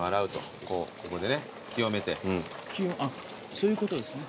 そういうことですね。